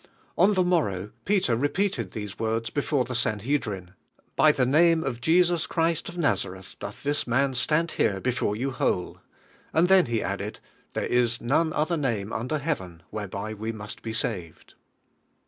On rhe morrow Peter repeated these words before theSanhedrim,"Ry the name of Je. sub Christ of Nazareth ... doth this man stand here before you whole;" and (hen he added, "There is none other name under heaven ... whereby we must be saved."